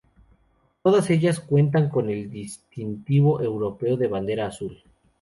Todas ellas cuentan con el distintivo europeo de bandera azul.